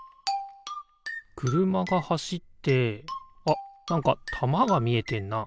くるまがはしってあっなんかたまがみえてんな。